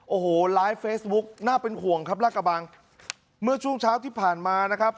โอ้โหไลฟ์เฟซบุ๊กน่าเป็นห่วงครับลากกระบังเมื่อช่วงเช้าที่ผ่านมานะครับ